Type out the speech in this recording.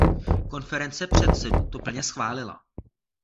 Konference předsedů to plně schválila.